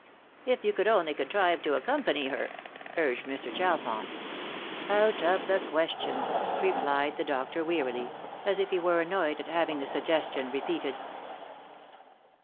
" If you could only contrive to accompany her," urged Mr. Chalfont. " Out of the question," replied the doctor wearily, as if he were annoyed at having the suggastion repeated.